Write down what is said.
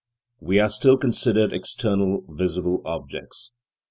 We are still considering external, visible objects.